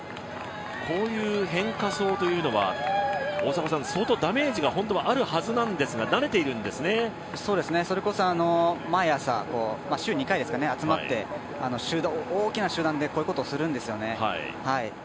こういう変化走というのは相当ダメージがあるはずなんですが毎朝、週２回ですかね集まって、大きな集団でこういうことをするんです。